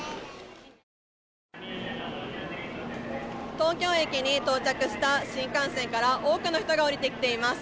東京駅に到着した新幹線から多くの人が降りてきています。